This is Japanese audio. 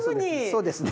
そうですね。